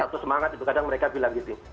kadang kadang mereka bilang gitu